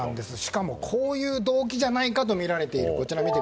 しかもこういう動機じゃないかとみられていると。